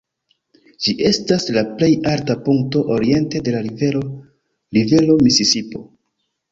Ĝi estas la plej alta punkto oriente de la Rivero Rivero Misisipo.